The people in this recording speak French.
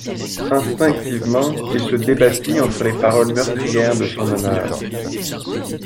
Instinctivement, il se débattit entre les paroles meurtrières de son honneur.